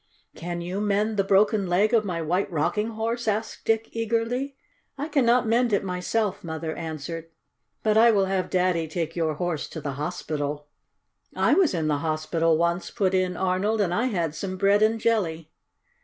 "Can you mend the broken leg of my White Rocking Horse?" asked Dick eagerly. "I cannot mend it, myself," Mother answered. "But I will have Daddy take your Horse to the hospital." "I was in the hospital once," put in Arnold, "and I had some bread and jelly."